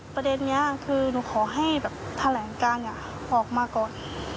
ประเด็นนี้คือหนูขอให้แบบแถลงการออกมาก่อน